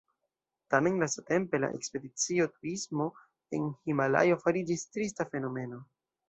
Tamen lastatempe la ekspedicio-turismo en Himalajo fariĝis trista fenomeno.